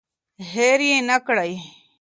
هیر یې نکړئ.